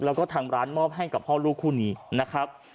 แล้วก็ทางร้านมอบให้กับพ่อลูกคู่นี้นะครับ